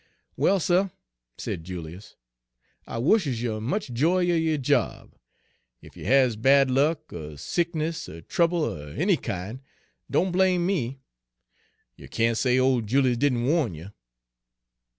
"Well, suh," said Julius, "I wushes you much joy er yo' job. Ef you has Page 167 bad luck er sickness er trouble er any kin', doan blame me. You can't say ole Julius didn' wa'n you."